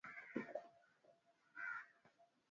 hapo Wataalamu hawa wanadai kwamba watu wanaozungumza